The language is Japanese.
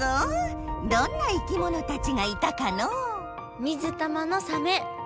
どんな生きものたちがいたかのう水玉のサメ。